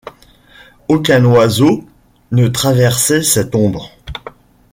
Aucun oiseau ne traversait cette ombre.